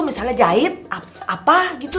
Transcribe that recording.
misalnya jahit apa gitu